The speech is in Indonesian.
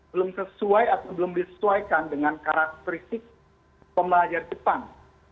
belum sesuai atau belum disesuaikan dengan karakteristik pembelajar jepang